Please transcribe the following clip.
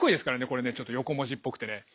これねちょっと横文字っぽくてね。